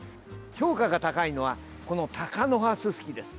評価が高いのはこのタカノハススキです。